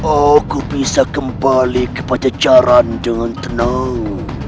aku bisa kembali ke pacaran dengan tenang